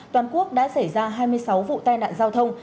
toàn quốc đã xảy ra hai mươi sáu vụ tai nạn giao thông